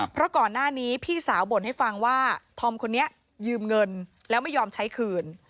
เพราะก่อนหน้านี้พี่สาวบ่นให้ฟังว่าธอมคนนี้ยืมเงินแล้วไม่ยอมใช้คืน